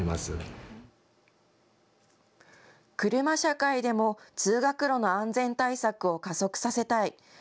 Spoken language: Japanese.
車社会でも通学路の安全対策を加速させたい。